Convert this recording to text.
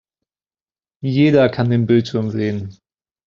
Jeder kann den Bildschirm sehen.